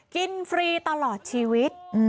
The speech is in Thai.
ฟรีตลอดชีวิต